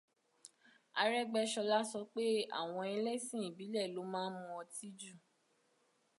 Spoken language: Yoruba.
Arẹ́gbẹ́ṣọlá sọ pé àwọn ẹlẹ́sìn ìbílẹ̀ ló máà ń mu ọtí jù